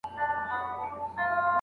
دغه وخت به ښکاري کش کړل تناوونه